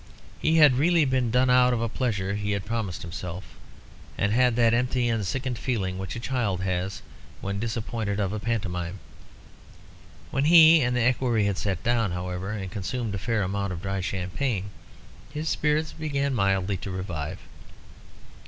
He had really been done out of a pleasure he had promised himself, and had that empty and sickened feeling which a child has when disappointed of a pantomime. When he and the equerry had sat down, however, and consumed a fair amount of dry champagne, his spirits began mildly to revive.